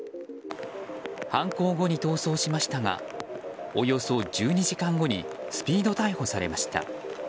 犯行後に逃走しましたがおよそ１２時間後にスピード逮捕されました。